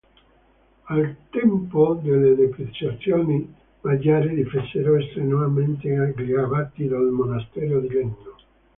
Al tempo delle depredazioni magiare difesero strenuamente gli abati del monastero di Leno.